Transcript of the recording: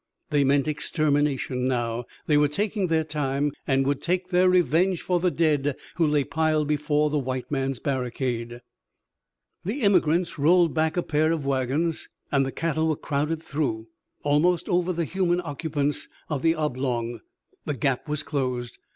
They meant extermination now. They were taking their time and would take their revenge for the dead who lay piled before the white man's barricade. The emigrants rolled back a pair of wagons, and the cattle were crowded through, almost over the human occupants of the oblong. The gap was closed.